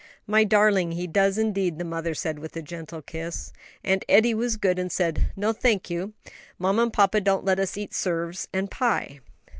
"My darling! He does, indeed," the mother said, with a gentle kiss. "And Eddie was good, and said, 'No, thank you; mamma and papa don't let us eat 'serves and pie.'"